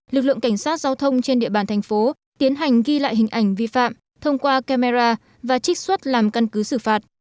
lực lượng cảnh sát giao thông trên địa bàn thành phố tiến hành ghi lại hình ảnh vi phạm thông qua camera và trích xuất làm căn cứ xử phạt